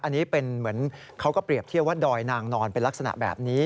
อันนี้เป็นเหมือนเขาก็เปรียบเทียบว่าดอยนางนอนเป็นลักษณะแบบนี้